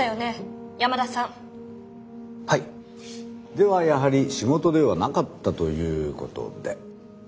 ではやはり仕事ではなかったということで。